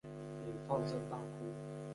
也放声大哭